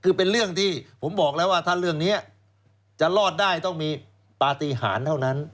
คือเป็นเรื่องที่ผมบอกแล้วว่าถ้าเรื่องนี้จะรอดได้ต้องมีปฏิหารเท่านั้น